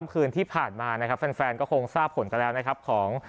คืนที่ผ่านมานะครับแฟนก็คงทราบผลกันแล้วนะครับของ